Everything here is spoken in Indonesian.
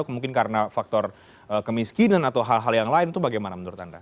mungkin karena faktor kemiskinan atau hal hal yang lain itu bagaimana menurut anda